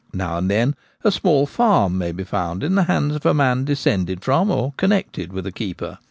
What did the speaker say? Now and then a small farm may be found in the hands of a man descended from or connected with a keeper.